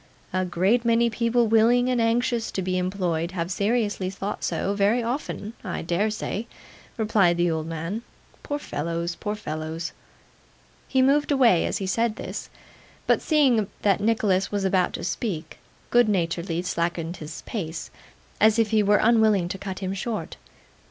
'A great many people willing and anxious to be employed have seriously thought so very often, I dare say,' replied the old man. 'Poor fellows, poor fellows!' He moved away as he said this; but seeing that Nicholas was about to speak, good naturedly slackened his pace, as if he were unwilling to cut him short.